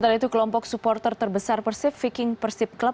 setelah itu kelompok supporter terbesar persib viking persib club